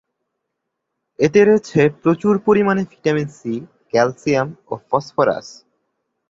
এতে রয়েছে প্রচুর পরিমাণে ভিটামিন সি, ক্যালসিয়াম ও ফসফরাস।